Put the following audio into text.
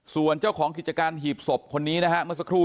ส่วนเจ้าของกิจการหีบศพคนนี้นะฮะเมื่อสักครู่